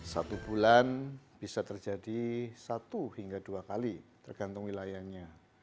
satu bulan bisa terjadi satu hingga dua kali tergantung wilayahnya